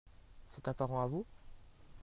C'est un parent à vous ?